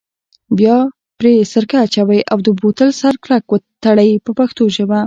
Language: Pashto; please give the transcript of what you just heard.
بیا پرې سرکه اچوئ او د بوتل سر کلک تړئ په پښتو ژبه.